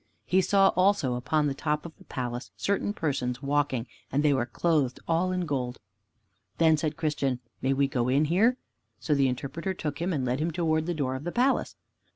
He saw also upon the top of the palace certain persons walking, and they were clothed all in gold. Then said Christian, "May we go in here?" So the Interpreter took him and led him toward the door of the palace.